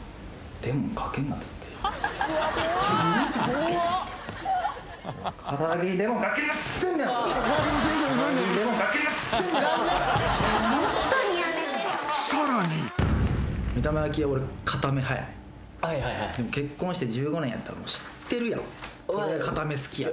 でも結婚して１５年やったら知ってるやろ。